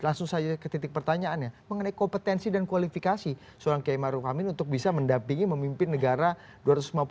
langsung saja ke titik pertanyaannya mengenai kompetensi dan kualifikasi seorang kiai ma'ruw amin untuk bisa mendampingi memimpin negara indonesia